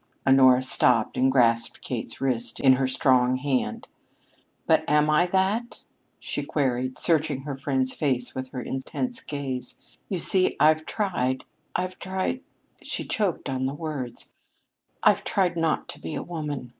Honora stopped and grasped Kate's wrist in her strong hand. "But am I that?" she queried, searching her friend's face with her intense gaze. "You see, I've tried I've tried " She choked on the words. "I've tried not to be a woman!"